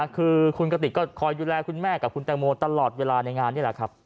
คือคุณกติกก็คอยดูแลคุณแม่กับคุณแตงโมตลอดเวลาในงานนี่แหละครับ